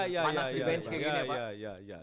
panas di bench kayak gini ya pak